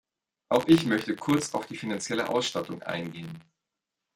Auch ich möchte kurz auf die finanzielle Ausstattung eingehen.